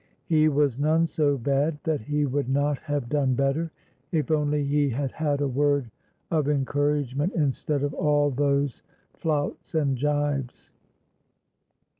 He was none so bad that he would not have done better, if only he had had a word of encouragement instead of all those flouts and jibes."